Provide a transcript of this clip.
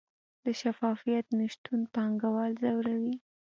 د شفافیت نشتون پانګوال ځوروي؟